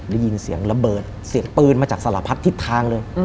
ได้ยินเสียงระเบิดเสียงปืนมาจากสารพัดทิศทางเลย